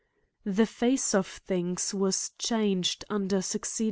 233 The face of things was changed under succeed.